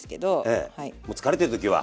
ええもう疲れてる時は。